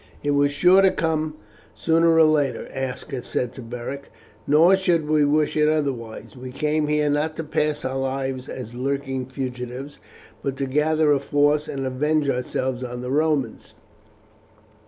"It was sure to come sooner or later," Aska said to Beric. "Nor should we wish it otherwise. We came here not to pass our lives as lurking fugitives, but to gather a force and avenge ourselves on the Romans.